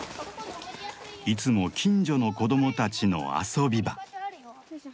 いつも近所の子供たちの遊び場。